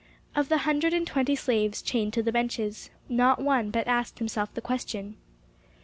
Of the hundred and twenty slaves chained to the benches, not one but asked himself the question.